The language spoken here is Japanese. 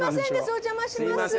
お邪魔します。